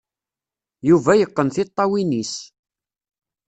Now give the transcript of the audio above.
Yuba yeqqen tiṭṭawin-is.